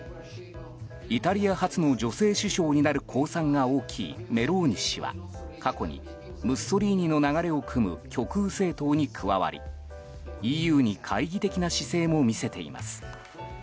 イタリア初の女性首相になる公算が大きいメローニ氏は、過去にムッソリーニの流れをくむ極右政党に加わり、ＥＵに懐疑的な姿勢も見せています。